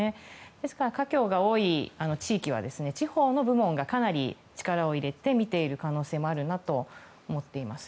ですから、華僑が多い地域は地方の部門がかなり力を入れて見ている可能性もあるなと思っています。